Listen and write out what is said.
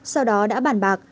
sau đó đã bàn bạc